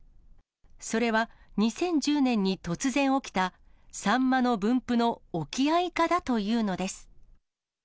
それは２０１０年に突然起きた、サンマの分布の沖合化だというのです。